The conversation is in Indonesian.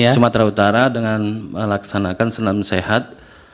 sumatera utara dengan melaksanakan senam sehat